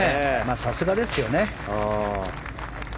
さすがですよね。